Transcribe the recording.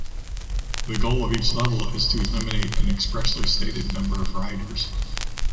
The goal of each level is to eliminate an expressly stated number of riders.